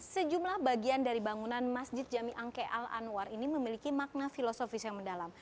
sejumlah bagian dari bangunan masjid ⁇ jami angke al anwar ini memiliki makna filosofis yang mendalam